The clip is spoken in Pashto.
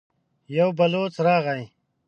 يو بلوڅ راغی.